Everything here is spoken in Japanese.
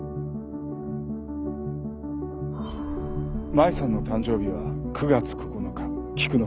麻衣さんの誕生日は９月９日菊の節句。